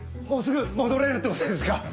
もうすぐ戻れるって事ですか？